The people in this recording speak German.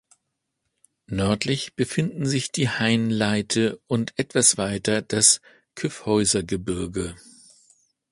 Nördlich befinden sich die Hainleite und etwas weiter das Kyffhäusergebirge.